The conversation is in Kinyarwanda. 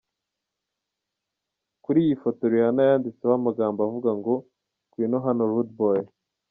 Kuri iyi foto Rihanna yanditseho amagambo avuga ngo: Ngwino hano Rude Boy.